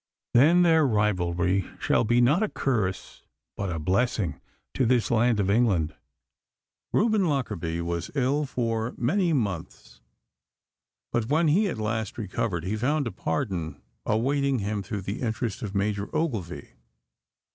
Then their rivalry shall be not a curse, but a blessing to this land of England. Reuben Lockarby was ill for many months, but when he at last recovered he found a pardon awaiting him through the interest of Major Ogilvy.